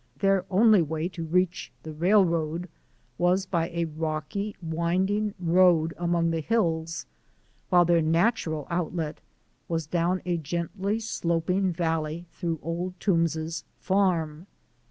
Their only way to reach the railroad was by a rocky, winding road among the 'hills,' while their outlet was down a gently sloping valley through Old Toombs's farm.